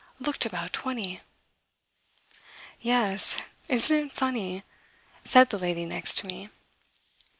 looked about twenty. "Yes isn't it funny?" said the lady next me.